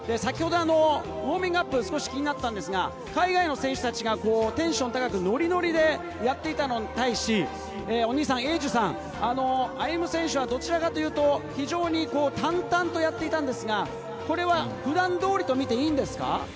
ウオーミングアップ、気になったのですが、海外の選手たちがテンション高くノリノリでやっていたのに対し、英樹さん、歩夢選手はどちらかというと、淡々とやっていたのですが、これは普段通りと見て、いいのですか？